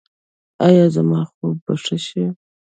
ایا زما خوب به ښه شي؟